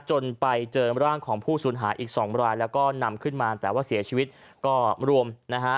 จนไปเจอร่างของผู้สูญหายอีกสองรายแล้วก็นำขึ้นมาแต่ว่าเสียชีวิตก็รวมนะฮะ